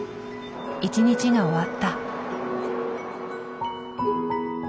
一日が終わった。